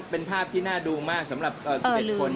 เป็นภาพที่น่าดูมากสำหรับ๑๑คน